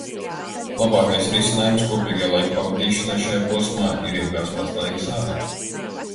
Labākais risinājums kopīgai laika pavadīšanai šajā posmā ir ilgās pastaigās ārā.